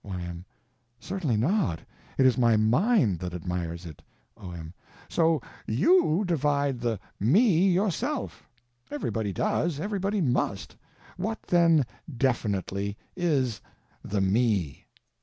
Y.M. Certainly not. It is my _mind _that admires it. O.M. So _you _divide the Me yourself. Everybody does; everybody must. What, then, definitely, is the Me?